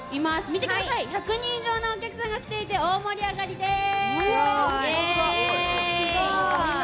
見てください、１００人以上のお客さんが来ていて大盛り上がりです！